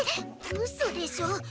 ⁉うそでしょ！